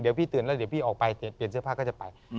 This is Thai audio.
เดี๋ยวพี่ตื่นแล้วเดี๋ยวพี่ออกไปเปลี่ยนเสื้อผ้าก็จะไป